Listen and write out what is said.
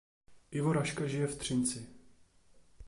Ivo Raška žije v Třinci.